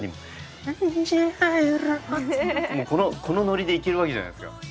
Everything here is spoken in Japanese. このノリでいけるわけじゃないですか。